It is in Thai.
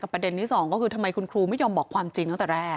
ประเด็นที่สองก็คือทำไมคุณครูไม่ยอมบอกความจริงตั้งแต่แรก